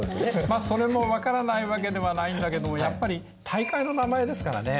まあそれも分からないわけではないんだけどもやっぱり大会の名前ですからね。